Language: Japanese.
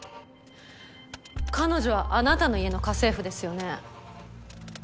彼女はあなたの家の家政婦ですよね？